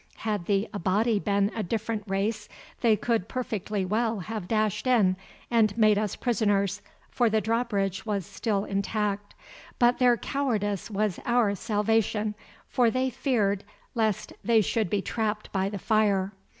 Had the Abati been a different race they could perfectly well have dashed in and made us prisoners, for the drawbridge was still intact. But their cowardice was our salvation, for they feared lest they should be trapped by the fire.